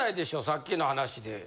さっきの話で。